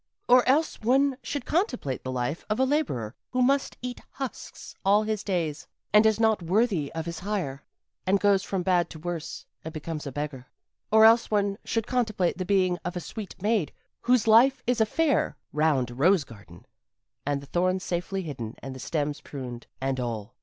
"Or else one should contemplate the life of a laborer who must eat husks all his days, and is not worthy of his hire, and goes from bad to worse and becomes a beggar. "Or else one should contemplate the being of a sweet maid whose life is a fair, round, rose garden, and the thorns safely hidden and the stems pruned, and all.